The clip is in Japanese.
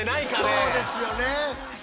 そうですよね。